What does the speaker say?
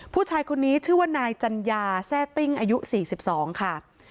ผู้ชายคนนี้ชื่อว่านายจัญญาแซ่ติ้งอายุ๔๒ค่ะ